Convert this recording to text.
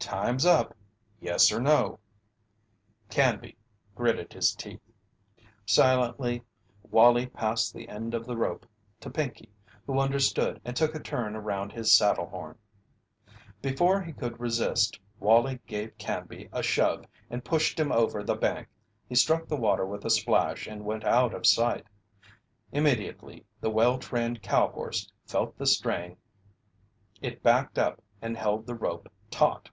"Time's up yes or no?" Canby gritted his teeth. Silently Wallie passed the end of the rope to Pinkey, who understood and took a turn around his saddle horn. Before he could resist Wallie gave Canby a shove and pushed him over the bank. He struck the water with a splash and went out of sight. Immediately the well trained cow horse felt the strain it backed up and held the rope taut.